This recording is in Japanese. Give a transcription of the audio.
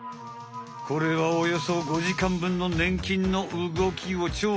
これはおよそ５時間ぶんのねん菌の動きをちょう